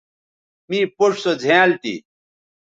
می پوڇ سو زھیائنل تھی